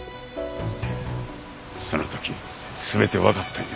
その時全てわかったんや。